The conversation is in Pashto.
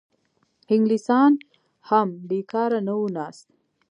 انګلیسیان هم بېکاره نه وو ناست.